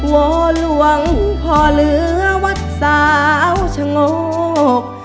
วอหลวงพ่อเหลือวัดสาวชะโงก